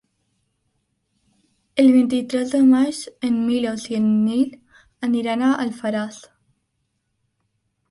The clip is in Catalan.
El vint-i-tres de maig en Milos i en Nil aniran a Alfarràs.